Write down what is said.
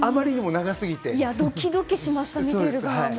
ドキドキしました、見てる側も。